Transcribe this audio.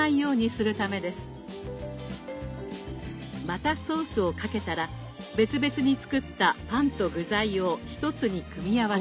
またソースをかけたら別々に作ったパンと具材を一つに組み合わせます。